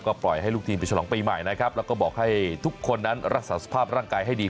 ก็ปล่อยให้ลูกทีมไปฉลองปีใหม่นะครับแล้วก็บอกให้ทุกคนนั้นรักษาสภาพร่างกายให้ดี